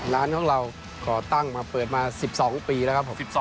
ร้านของเราก่อตั้งมาเปิดมา๑๒ปีแล้วครับผม